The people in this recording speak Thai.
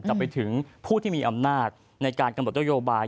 จะไปถึงผู้ที่มีอำนาจในการกำหนดนโยบาย